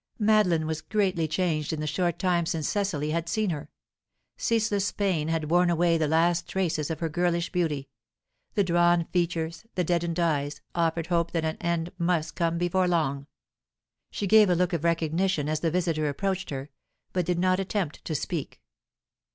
Madeline was greatly changed in the short time since Cecily had seen her. Ceaseless pain had worn away the last traces of her girlish beauty; the drawn features, the deadened eyes, offered hope that an end must come before long. She gave a look of recognition as the visitor approached her, but did not attempt to speak.